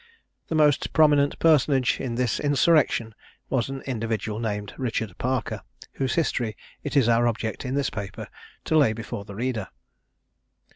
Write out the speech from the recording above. The most prominent personage in this insurrection was an individual named Richard Parker, whose history it is our object in this paper to lay before the reader.